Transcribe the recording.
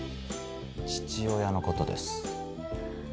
父親のことです。